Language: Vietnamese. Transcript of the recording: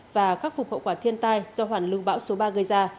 và khắc phục hậu quả thiên tai do hoàn lưu bão số ba gây ra